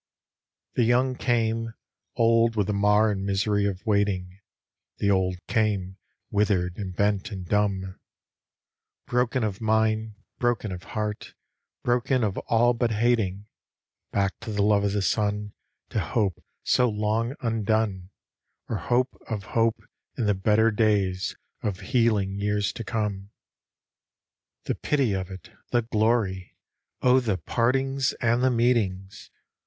The young came — old with the mar and misery of waiting ; The old came, withered and bent and dumb; Broken of mind, broken of heart — broken of all but hating; Back to love of the sun, To hope so long undone, Or hope of hope in the better days of healing years to come. The pity of it, the glory! oh the partings and the meetings